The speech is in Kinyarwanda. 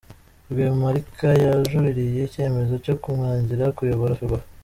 Rwemarika yajuririye icyemezo cyo kumwangira kuyobora Ferwafa